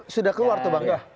sudah keluar tuh bang